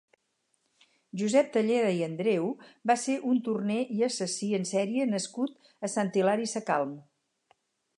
Josep Talleda i Andreu va ser un torner i assassí en sèrie nascut a Sant Hilari Sacalm.